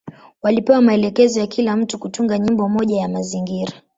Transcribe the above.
Walipewa maelekezo ya kila mtu kutunga nyimbo moja ya mazingira.